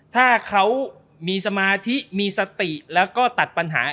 ถ้าเขามีสมาธิมีสติแล้วก็ตัดปัญหา